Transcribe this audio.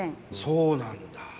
そうなんだ！